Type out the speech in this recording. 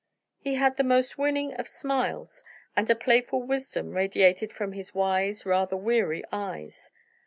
He had the most winning of smiles, and a playful wisdom radiated from his wise, rather weary eyes.